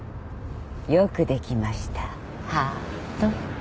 よくできましたハァト。